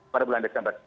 pada bulan desember